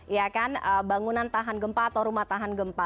ya kan bangunan tahan gempa atau rumah tahan gempa